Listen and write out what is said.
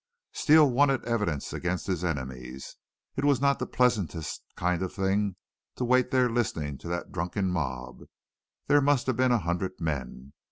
Steele wanted evidence against his enemies. It was not the pleasantest kind of thing to wait there listening to that drunken mob. There must have been a hundred men.